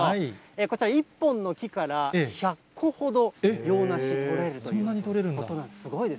こちら、１本の木から１００個ほど洋梨取れるということで。